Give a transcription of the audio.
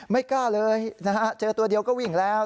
ไม่กล้าเลยนะฮะเจอตัวเดียวก็วิ่งแล้ว